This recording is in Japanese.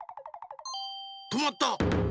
とまった！